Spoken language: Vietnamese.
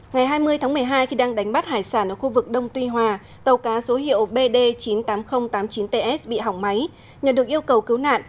ngày hai mươi tháng một mươi hai khi đang đánh bắt hải sản ở khu vực đông tuy hòa tàu cá số hiệu bd chín mươi tám nghìn tám mươi chín ts bị hỏng máy nhận được yêu cầu cứu nạn